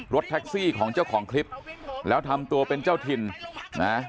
รถแท็กซี่ของเจ้าของคลิปแล้วทำตัวเป็นเจ้าถิ่นนะ